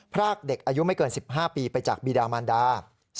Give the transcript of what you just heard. พรากเด็กอายุไม่เกิน๑๕ปีไปจากบีดามันดา